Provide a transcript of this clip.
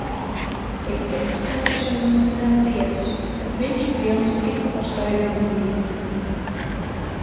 Citi uz satikšanos nes ziedus, bet viņš pilnu tīklu ar svaigām zivīm.